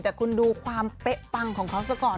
แต่คุณดูความเป๊ะปังของเขาซะก่อน